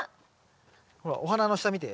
ほらお花の下見て。